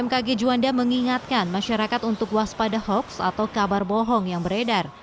bmkg juanda mengingatkan masyarakat untuk waspada hoaks atau kabar bohong yang beredar